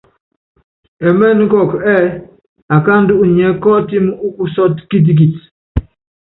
Ɛmɛ́nɛ́ kɔkɔ ɛ́ɛ́ akáandú unyiɛ́ kɔ́ɔtímí úkusɔ́tɔ kitikit.